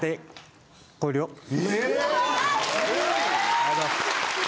ありがとうございます。